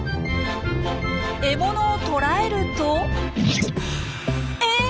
獲物を捕らえるとえっ？